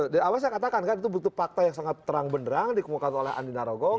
dari awal saya katakan kan itu butuh fakta yang sangat terang benerang dikemukakan oleh andi narogong